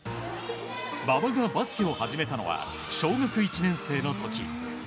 馬場がバスケを始めたのは小学１年生の時。